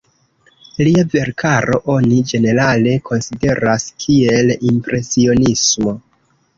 Lia verkaro oni ĝenerale konsideras kiel impresionismo.